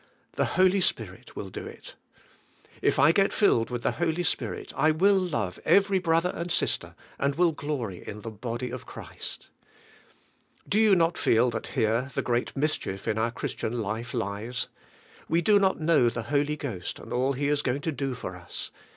The Holy Spirit will do it. If I get filled with the Holy Spirit I will love every brother and sister, and will glory in the body of Christ. Do you not feel that here the great mis chief in our Christian life lies. We do not know the Holy Ghost and all He is going to do for us.